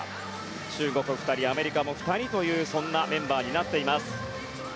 中国、２人アメリカも２人というそんなメンバーになっています。